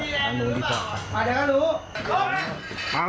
สวัสดีครับทุกคน